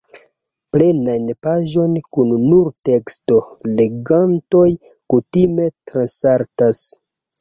Plenajn paĝojn kun nur teksto legantoj kutime transsaltas.